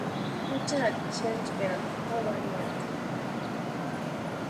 Juchari xenchperata no warhiati.